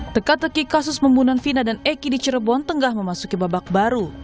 teka teki kasus pembunuhan vina dan eki di cirebon tengah memasuki babak baru